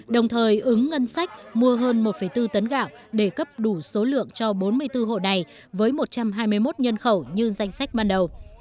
đồng thời ứng ngân sách mua hơn một bốn tấn gạo để cấp đủ số lượng cho bốn mươi bốn hộ này với một trăm hai mươi một nhân khẩu như danh sách ban đầu